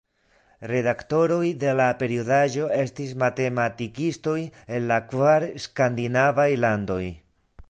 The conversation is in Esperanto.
Redaktoroj de la periodaĵo estis matematikistoj el la kvar skandinavaj landoj.